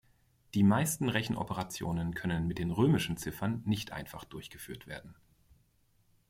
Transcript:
Die meisten Rechenoperationen können mit den römischen Ziffern nicht einfach durchgeführt werden.